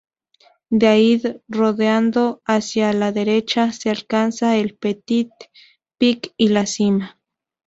De allí, rodeando hacia la derecha, se alcanza el Petit Pic y la cima.